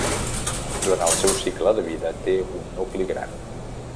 Durant el seu cicle de vida té un nucli gran.